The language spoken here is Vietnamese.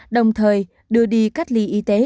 đồng thời đưa đi cách ly y tế